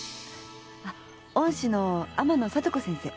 あっ恩師の天野郷子先生。